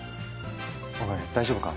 おい大丈夫か？